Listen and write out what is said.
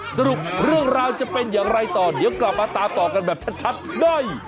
สรุปเรื่องราวจะเป็นอย่างไรต่อเดี๋ยวกลับมาตามต่อกันแบบชัดได้